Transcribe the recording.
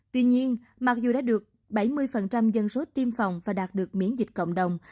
tuy nhiên mặc dù đã được bảy mươi dân số tiêm phòng và đạt được miễn dịch cộng đồng